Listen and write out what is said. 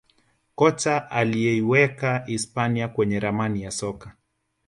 Kocha aliyeiweka hispania kwenye ramani ya soka